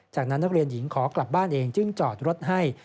จากนั้นนักเรียนหญิงขอกลับบ้านเองจึงจอดรถให้